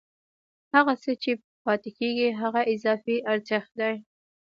هغه څه چې پاتېږي هغه اضافي ارزښت دی